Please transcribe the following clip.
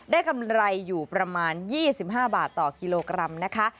กำไรอยู่ประมาณ๒๕บาทต่อกิโลกรัมนะคะ